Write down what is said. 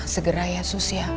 segera ya susya